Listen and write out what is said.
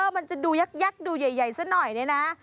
มันจะดูยักษ์ดูใหญ่ซะหน่อยเนี่ยนะ